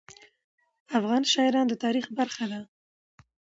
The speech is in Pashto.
افغان شاعران د تاریخ برخه دي.